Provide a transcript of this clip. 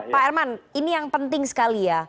pak herman ini yang penting sekali ya